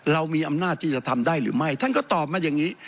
เรามีอำนาจที่จะทำได้หรือไม่ท่านก็ตอบมาอย่างนี้